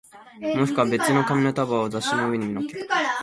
もしくは別の紙の束を雑誌の上に乗っけた